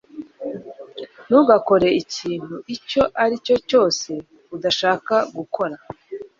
Ntugakore ikintu icyo ari cyo cyose udashaka gukora